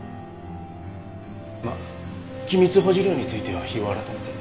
まあ機密保持料については日を改めて。